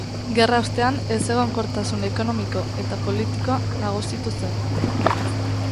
Gerra ostean, ezegonkortasun ekonomiko eta politikoa nagusitu zen.